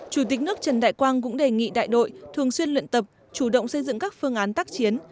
chủ tịch nước trần đại quang cũng đề nghị đại đội thường xuyên luyện tập chủ động xây dựng các phương án tác chiến